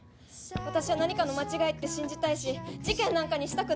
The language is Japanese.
私は何かの間違いって信じたいし事件なんかにしたくない。